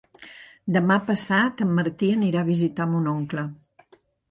Demà passat en Martí anirà a visitar mon oncle.